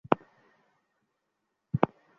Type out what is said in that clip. উনাকে এখনই ডাকুন।